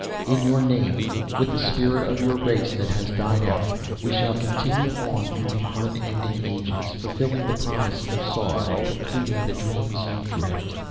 "In your name, with the spirit of your race that has died out, we shall continue on through the unending ages, fulfilling the promise you saw, and completing the dreams you dreamt.